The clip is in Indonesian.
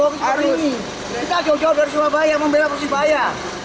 kita jauh jauh dari surabaya membela persebaya